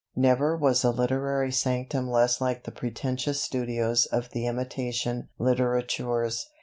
Never was a literary sanctum less like the pretentious studios of the imitation litterateurs.